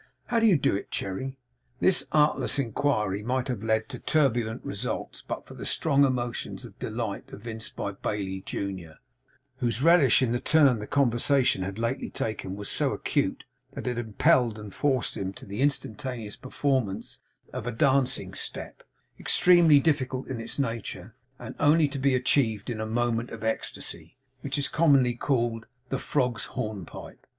How do you do it, Cherry?' This artless inquiry might have led to turbulent results, but for the strong emotions of delight evinced by Bailey junior, whose relish in the turn the conversation had lately taken was so acute, that it impelled and forced him to the instantaneous performance of a dancing step, extremely difficult in its nature, and only to be achieved in a moment of ecstasy, which is commonly called The Frog's Hornpipe.